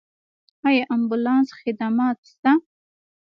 آیا امبولانس خدمات شته؟